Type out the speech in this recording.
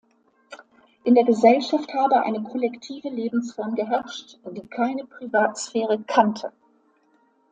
In der Gesellschaft habe eine kollektive Lebensform geherrscht, die keine Privatsphäre kannte.